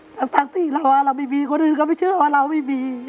ทั้งที่เราไม่มีคนอื่นก็ไม่เชื่อว่าเราไม่มี